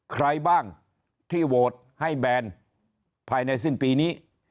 ใครบ้างที่โหวตให้แบนภายในสิ้นปีนี้